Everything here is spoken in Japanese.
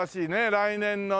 来年のね